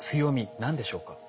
何でしょうか？